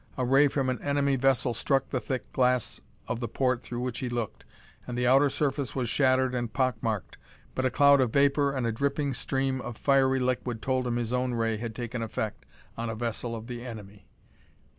A ray from an enemy vessel struck the thick glass of the port through which he looked and the outer surface was shattered and pock marked. But a cloud of vapor and a dripping stream of fiery liquid told him his own ray had taken effect on a vessel of the enemy.